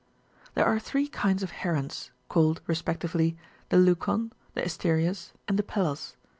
(60.) There are three kinds of herons, called, respectively, the leucon,^^ the asterias,^" and the pellos.